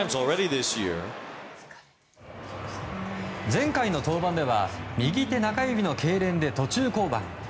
前回の登板では右手中指のけいれんで途中降板。